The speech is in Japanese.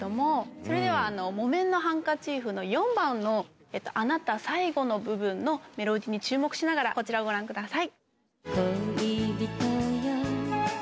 それでは、木綿のハンカチーフの４番の、あなた最後の部分のメロディーに注目しながら、こちらをご覧ください。